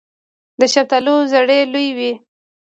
د شفتالو زړې لویې وي.